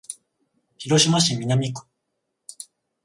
広島市南区